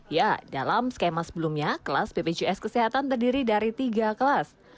ya dalam skema sebelumnya kelas bpjs kesehatan terdiri dari tiga kelas